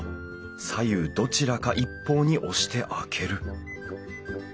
左右どちらか一方に押して開ける。